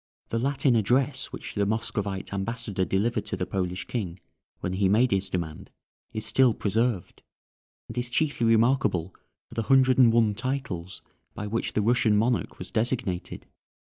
The Latin address which the Moscovite ambassador delivered to the Polish King when he made his demand is still preserved, and is chiefly remarkable for the hundred and one titles by which the Russian monarch was designated.